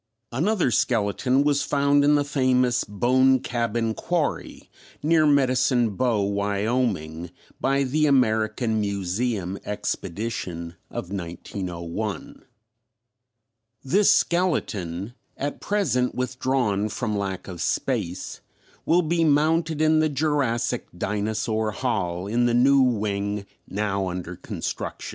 Another skeleton was found in the famous Bone Cabin Quarry, near Medicine Bow, Wyoming, by the American Museum Expedition of 1901. This skeleton, at present withdrawn from lack of space, will be mounted in the Jurassic Dinosaur Hall in the new wing now under construction.